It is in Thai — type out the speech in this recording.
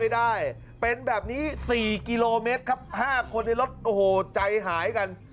ได้เป็นแบบนี้๔กิโลเมตรครับ๕คนในรถโอ้โหใจหายกัน